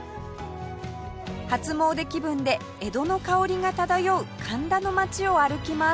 初詣気分で江戸の薫りが漂う神田の街を歩きます